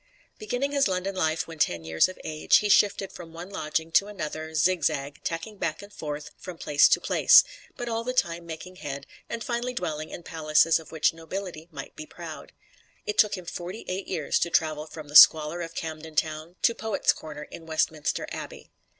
Beginning his London life when ten years of age, he shifted from one lodging to another, zigzag, tacking back and forth from place to place, but all the time making head, and finally dwelling in palaces of which nobility might be proud. It took him forty eight years to travel from the squalor of Camden Town to Poet's Corner in Westminster Abbey.